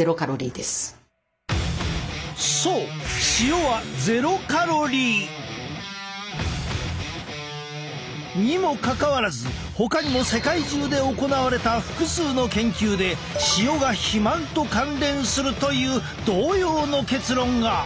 そう塩はにもかかわらずほかにも世界中で行われた複数の研究で塩が肥満と関連するという同様の結論が。